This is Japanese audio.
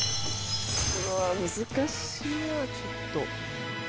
うわ難しいなちょっと。